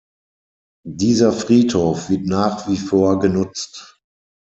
Dieser Friedhof wird nach wie vor genutzt.